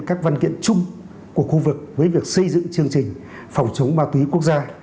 các văn kiện chung của khu vực với việc xây dựng chương trình phòng chống ma túy quốc gia